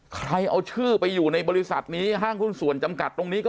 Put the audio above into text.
ใครเอาชื่อไปอยู่ในบริษัทนี้ห้างหุ้นส่วนจำกัดตรงนี้ก็